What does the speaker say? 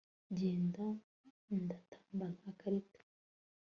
ngenda ndatamba ntarika